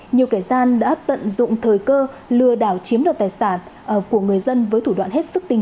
nhiều kẻ gian đã tận dụng thời cơ lừa đảo chiếm được tài sản của người dân với thủ đoạn hay không